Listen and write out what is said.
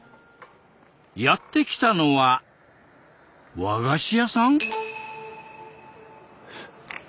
やって来たのは和菓子屋さん？